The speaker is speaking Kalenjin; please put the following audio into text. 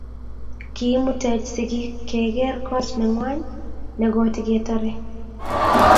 Kimuteech sigik kegeer koot nengway nogotigetare